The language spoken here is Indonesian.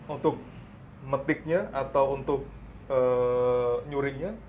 untuk matic nya atau untuk nyuriknya